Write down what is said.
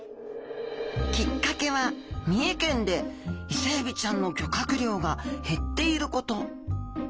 きっかけは三重県でイセエビちゃんの漁獲量が減っていること。